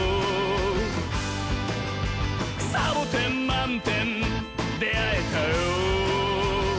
「サボテンまんてんであえたよ」